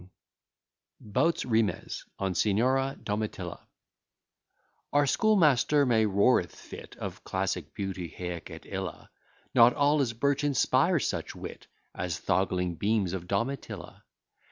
_] BOUTS RIMEZ ON SIGNORA DOMITILLA Our schoolmaster may roar i' th' fit, Of classic beauty, haec et illa; Not all his birch inspires such wit As th'ogling beams of Domitilla.